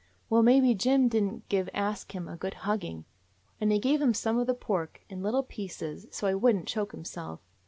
"Well, maybe Jim didn't give Ask Him a good hugging ! And he gave him some of the pork — in little pieces, so he would n't choke himself.